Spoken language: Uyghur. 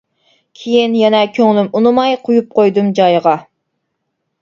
كىيىن يەنە كۆڭلۈم ئۇنىماي قويۇپ قويدۇم جايىغا.